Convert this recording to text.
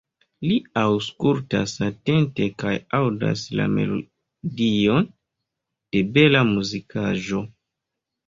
Li aŭskultas atente kaj aŭdas la melodion de bela muzikaĵo.